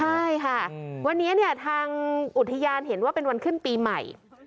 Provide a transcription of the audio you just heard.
ใช่ค่ะวันนี้เนี่ยทางอุทยานเห็นว่าเป็นวันขึ้นปีใหม่